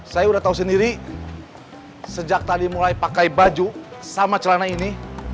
saya sudah tahu sendiri sejak tadi mulai pakai baju sama celana ini